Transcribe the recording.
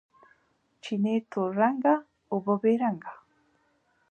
چینې تور رنګه، اوبه بې رنګه